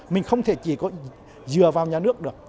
mình không thể chỉ có dừa vào nhà nước được